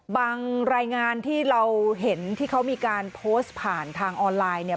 รายงานที่เราเห็นที่เขามีการโพสต์ผ่านทางออนไลน์เนี่ย